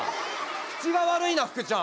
口が悪いなふくちゃん。